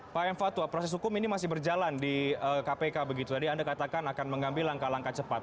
pak m fatwa proses hukum ini masih berjalan di kpk begitu tadi anda katakan akan mengambil langkah langkah cepat